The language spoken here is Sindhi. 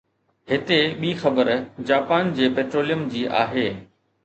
هتي ٻي خبر جاپان جي پيٽروليم جي آهي